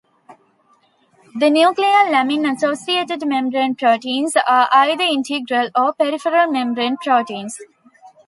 The nuclear lamin-associated membrane proteins are either integral or peripheral membrane proteins.